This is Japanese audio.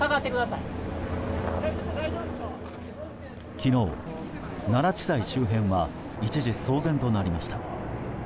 昨日、奈良地裁周辺は一時騒然となりました。